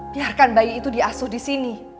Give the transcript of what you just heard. biarkan bayi itu diasuh di sini